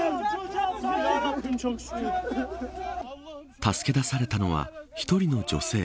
助け出されたのは１人の女性。